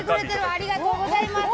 ありがとうございます。